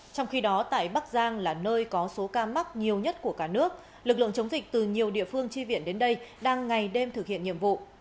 trong khi đó tại bắc giang là nơi có số ca mắc nhiều nhất của cả nước lực lượng chống dịch từ nhiều địa phương chi viện đến đây đang ngày đêm thực hiện nhiệm vụ